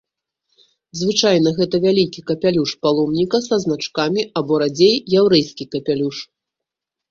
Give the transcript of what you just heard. Звычайна гэта вялікі капялюш паломніка са значкамі або, радзей, яўрэйскі капялюш.